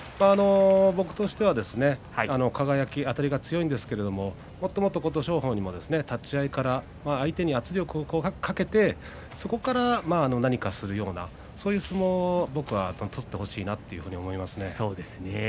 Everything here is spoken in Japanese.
僕としては輝はあたりが強いんですけれどももっと琴勝峰にももっともっと相手に圧力をかけてそこから何かするようなそういう相撲を取ってほしいなと思いますね。